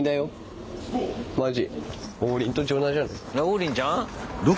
王林ちゃん？